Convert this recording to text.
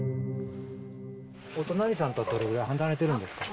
お隣さんとは、どれぐらい離れてるんですか？